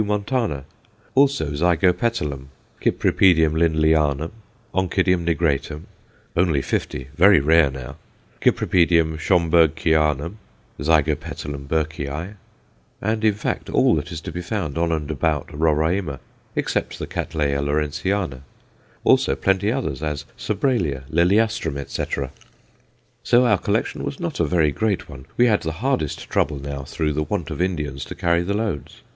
montana_. Also Zygopetalum, Cyp. Lindleyanum, Oncidium nigratum (only fifty very rare now), Cypripedium Schomburgkianum, Zygopetalum Burkeii, and in fact, all that is to be found on and about Roraima, except the Cattleya Lawrenceana. Also plenty others, as Sobralia, Liliastrum, etc. So our collection was not a very great one; we had the hardest trouble now through the want of Indians to carry the loads.